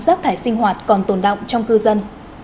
rác thải sinh hoạt còn tồn động trong cư dân